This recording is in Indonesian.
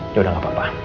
ya udah gak apa apa